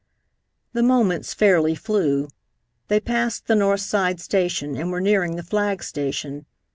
The moments fairly flew. They passed the North Side Station, and were nearing the flag station.